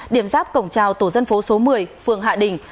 điểm giáp cổng trào tổ dân phố số một mươi phường hạ đình